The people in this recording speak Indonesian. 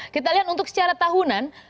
kita lihat untuk secara tahunan